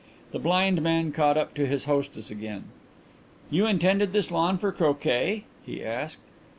The blind man caught up to his hostess again. "You intended this lawn for croquet?" he asked.